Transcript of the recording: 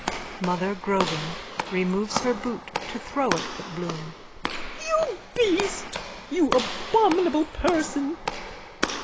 MOTHER GROGAN: (Removes her boot to throw it at Bloom.) You beast! You abominable person!